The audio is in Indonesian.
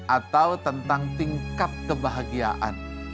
atau tentang tingkat kebahagiaan